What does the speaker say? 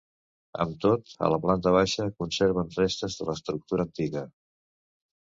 Amb tot, a la planta baixa conserven restes de l'estructura antiga.